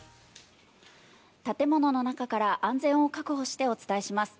建物の中から安全を確保してお伝えします。